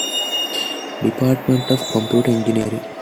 Department of Computer Engineering.